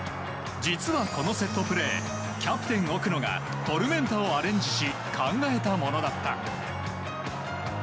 実は、このセットプレーキャプテン奥野がトルメンタをアレンジし考えたものだった。